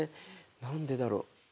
何でだろう。